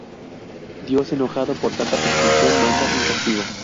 Dios enojado por tanta pretensión manda un castigo.